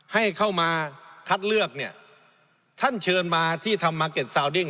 ให้เข้ามาคัดเลือกเนี่ยท่านเชิญมาที่ทำมาร์เก็ตซาวดิ้ง